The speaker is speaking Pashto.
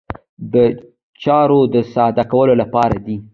دا د چارو د ساده کولو لپاره دی.